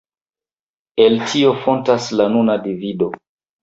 El tio fontas la nuna divido.